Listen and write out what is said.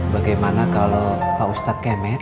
bagaimana kalau pak ustadz kemet